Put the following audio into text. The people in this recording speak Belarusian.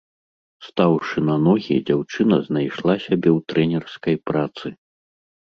Стаўшы на ногі, дзяўчына знайшла сябе ў трэнерскай працы.